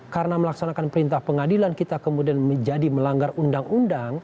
karena melaksanakan perintah pengadilan kita kemudian menjadi melanggar undang undang